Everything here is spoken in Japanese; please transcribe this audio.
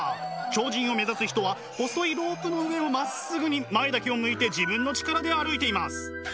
超人を目指す人は細いロープの上をまっすぐに前だけを向いて自分の力で歩いています。